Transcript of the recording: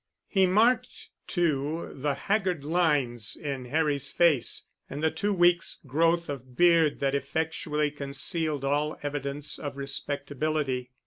He marked, too, the haggard lines in Harry's face, and the two weeks' growth of beard that effectually concealed all evidence of respectability.